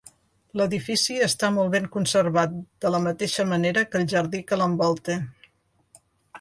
L'edifici està molt ben conservat de la mateixa manera que el jardí que l'envolta.